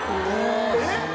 えっ？